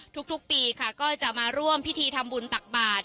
ทุกปีค่ะก็จะมาร่วมพิธีทำบุญตักบาท